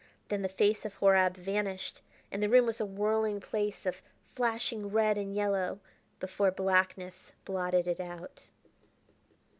Then the face of Horab vanished, and the room was a whirling place of flashing red and yellow before blackness blotted it out....